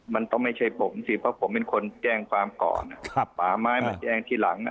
มันต้องไม่ใช่ผมสิเพราะผมเป็นคนแจ้งความก่อนป่าไม้มาแจ้งทีหลัง